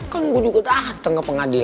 kan gue juga datang ke pengadilan